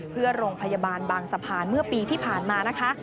เพื่อโรงพยาบาลบางสะพานเมื่อปีที่ผ่านมานะคะ